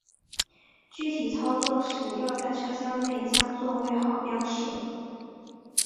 具体操作时要在车厢内加座位号标识。